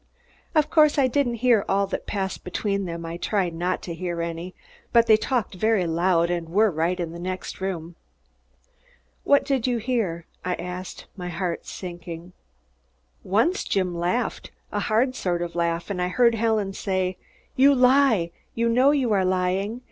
Of course I didn't hear all that passed between them, I tried not to hear any, but they talked very loud and were right in the next room." "What did you hear?" I asked, my heart sinking. "Once Jim laughed, a hard sort of laugh, and I heard Helen say, 'You lie! You know you are lying!